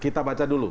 kita baca dulu